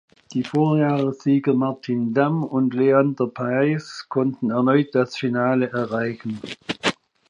Die Vorjahressieger Martin Damm und Leander Paes konnten erneut das Finale erreichen.